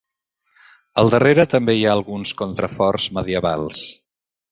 Al darrere també hi ha alguns contraforts medievals.